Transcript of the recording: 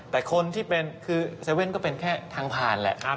แต่คือ๗๑๑ก็เป็นแค่ทางผ่านแล้ว